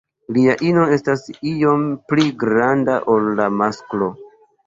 La ino estas iom pli granda ol la masklo.